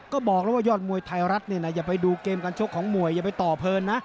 ก็บอกแล้วว่ายอดมวยไทยรัฐเนี่ยนะอย่าไปดูเกมการชกของมวยอย่าไปต่อเพลินนะ